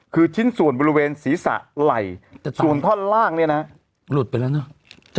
คือชิ้นส่วนบริเวณศีรษะไหล่ส่วนท่อนล่างเนี่ยนะหลุดไปแล้วเนอะ